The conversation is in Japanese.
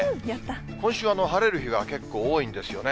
今週、晴れる日が結構多いんですよね。